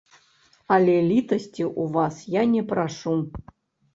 Але літасці ў вас я не прашу!